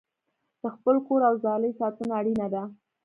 د خپل کور او ځالې ساتنه اړینه ده.